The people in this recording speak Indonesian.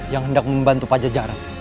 yang hendak membantu pajajara